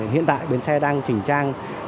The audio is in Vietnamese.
hiện tại bến xe đang chỉnh trang